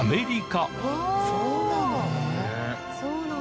そうなの！？